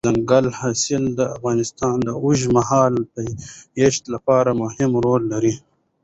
دځنګل حاصلات د افغانستان د اوږدمهاله پایښت لپاره مهم رول لري.